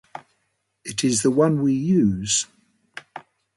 It is the one we use